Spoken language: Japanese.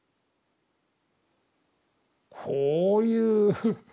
こういう。